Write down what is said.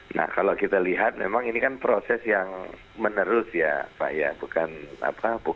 nah kalau kita lihat memang ini kan proses yang menerus ya pak ya